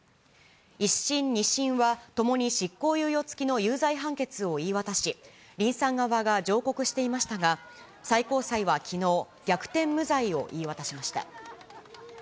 １審、２審はともに執行猶予付きの有罪判決を言い渡し、リンさん側が上告していましたが、最高裁はきのう、逆転無罪を言い渡しました。